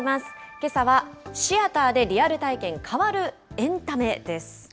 けさは、シアターでリアル体験変わるエンタメです。